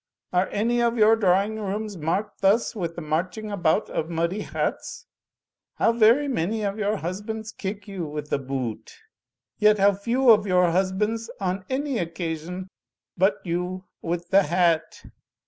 Are any of your drawing rooms marked thus with the marching about of muddy hats? How very many of your husbands kick you with the boo oot! Yet how few of your husbands on any occasion butt you with the hat?"'